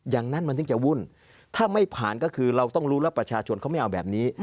อย่างนั้นมันถึงจะวุ่นถ้าไม่ผ่านก็คือเราต้องรู้แล้วประชาชนเขาไม่เอาแบบนี้